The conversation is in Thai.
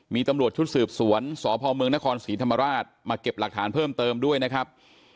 มีตำรวจชุดสืบสวนสพเมืองนครศรีธรรมราชมาเก็บหลักฐานเพิ่มเติมด้วยนะครับ